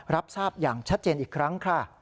รับทราบอย่างชัดเจนอีกครั้งค่ะ